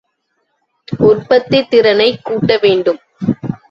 உற்பத்தித் திறனைக் கூட்டவேண்டும்.